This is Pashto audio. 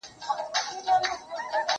دا نان له هغه تازه دی!